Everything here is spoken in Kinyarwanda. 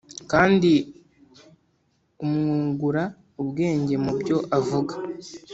Kandi umwungura ubwenge mu byo avuga